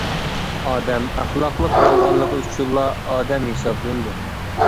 ئادەم ئەخلاقلىق بولغانلىقى ئۈچۈنلا، ئادەم ھېسابلىنىدۇ.